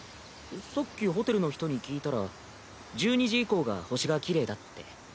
さっきホテルの人に聞いたら１２時以降が星がきれいだって。